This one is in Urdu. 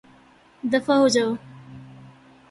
دفعہ ہو جائو